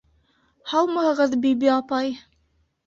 — Һаумыһығыҙ, Биби апай!